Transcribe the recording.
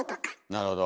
なるほど。